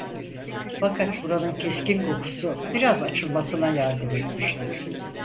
Fakat buranın keskin kokusu biraz açılmasına yardım etmişti.